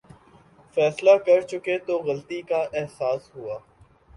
فیصلہ کرچکے تو غلطی کا احساس ہوا۔